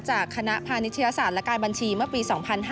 จากคณะพานิชยศาสตร์และการบัญชีเมื่อปี๒๕๕๙